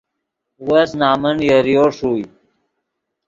وس نمن یریو ݰوئے